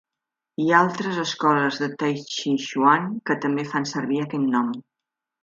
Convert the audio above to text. Hi ha altres escoles de taitxitxuan que també fan servir aquest nom.